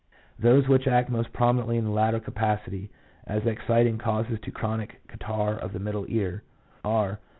4 "Those which act most prominently in the latter capacity (as exciting causes to chronic catarrh of the middle ear) are